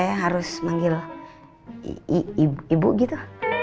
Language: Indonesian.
saya harus manggil ibu gitu